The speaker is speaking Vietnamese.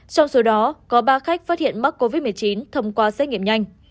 trong số đó có ba khách phát hiện mắc covid một mươi chín thông qua xét nghiệm nhanh